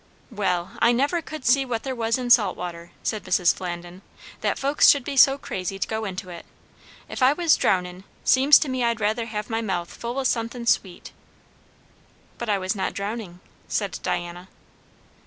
"Well, I never could see what there was in salt water!" said Mrs. Flandin, "that folks should be so crazy to go into it! If I was drownin', 'seems to me I'd rather have my mouth full o' sun'thin' sweet." "But I was not drowning," said Diana.